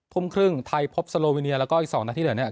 ทุ่มครึ่งไทยพบโซโลวิเนียแล้วก็อีก๒นาทีเหลือเนี่ย